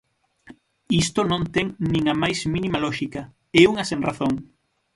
Isto non ten nin a máis mínima lóxica, é unha sen razón.